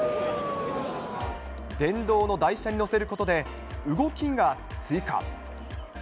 電動の台車に載せることで、動きが追加。